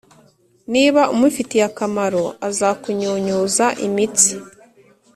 Niba umufitiye akamaro, azakunyunyuza imitsi,